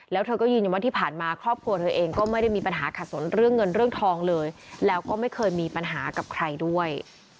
แล้วเธอก็ยืนยันว่าที่ผ่านมาครอบครัวเธอเองก็ไม่ได้มีปัญหาขัดสนเรื่องเงินเรื่องทองเลยแล้วก็ไม่เคยมีปัญหากับใครด้วย